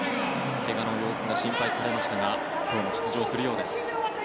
けがの様子が心配されましたが今日も出場するようです。